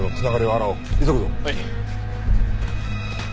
はい。